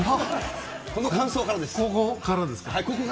ここからですか。